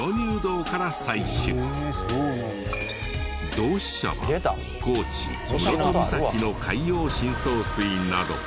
同志社は高知室戸岬の海洋深層水など。